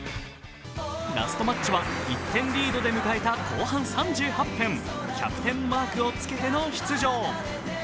ラストマッチは１点リードで迎えた後半３８分、キャプテンマークをつけての出場。